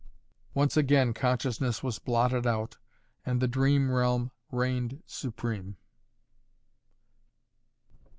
Once again consciousness was blotted out and the dream realm reigned supreme.